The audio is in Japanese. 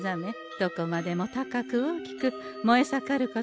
どこまでも高く大きく燃え盛ることでしょう。